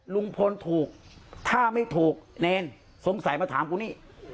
ลุงพลถูกถ้าไม่ถูกเนรสงสัยมาถามกูนี่